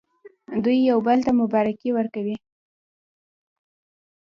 دوی یو بل ته مبارکي ورکوي.